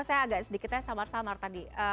saya agak sedikitnya samar samar tadi